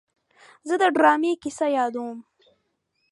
زه د ډرامې کیسه یادوم.